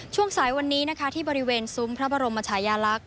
ช่วงสายวันนี้นะคะที่บริเวณซุ้มพระบรมชายาลักษณ